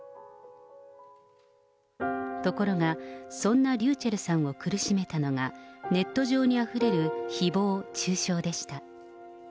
ところが、そんなｒｙｕｃｈｅｌｌさんを苦しめたのが、ネット上にあふれるひぼう中傷でした。